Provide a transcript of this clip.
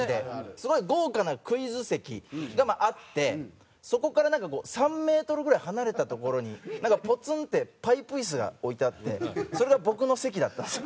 すごい豪華なクイズ席があってそこからなんかこう３メートルぐらい離れた所になんかポツンってパイプ椅子が置いてあってそれが僕の席だったんですよ。